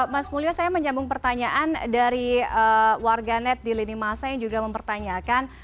mas mulyo saya menyambung pertanyaan dari warganet di lini masa yang juga mempertanyakan